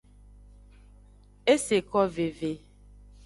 Eseko veve.